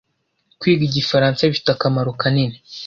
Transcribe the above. Kwiga igifaransa bifite akamaro kanini